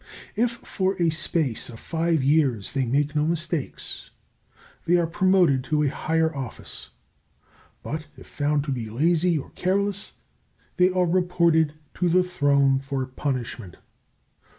If for a space of five years they make no mistakes they are promoted to a higher office; but if found to be lazy or careless they are reported to the Throne for punishment.